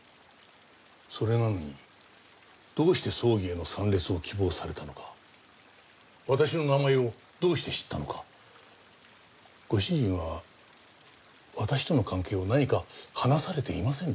それなのにどうして葬儀への参列を希望されたのか私の名前をどうして知ったのかご主人は私との関係を何か話されていませんでしたか？